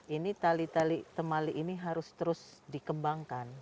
ini tali tali temali ini harus terus dikembangkan